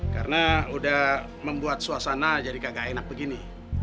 karena udah membuat suasana jadi nggak enak begini